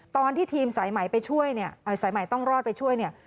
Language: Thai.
ตอนที่ทีมสายใหม่ต้องรอดไปช่วยเนี่ย